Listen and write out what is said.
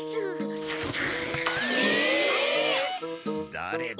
だれだ？